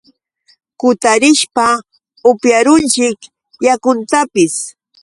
kutarishpa upyarunchik yakuntapis.